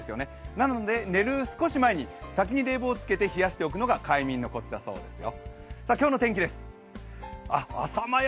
なので寝る少し前に先に冷房つけて冷やしておくのが快眠のコツだそうですよ。